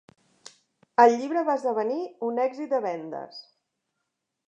El llibre va esdevenir un èxit de vendes.